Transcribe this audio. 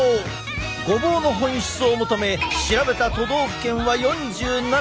ごぼうの本質を求め調べた都道府県は４７。